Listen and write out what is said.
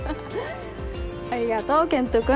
ありがとう健人君。